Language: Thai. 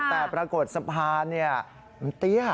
แต่ปรากฏสะพานมันเตี้ย